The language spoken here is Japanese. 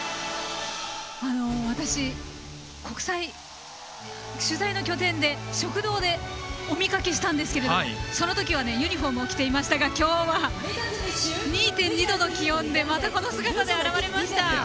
私、取材の拠点で食堂でお見かけしたんですけどもそのときはユニフォームを着ていましたが２．２度の気温でまたこの姿で現れました。